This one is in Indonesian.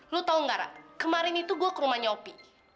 lu tau gak ra kemarin itu gue ke rumahnya opi